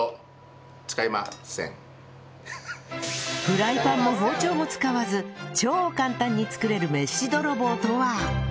フライパンも包丁も使わず超簡単に作れるメシ泥棒とは？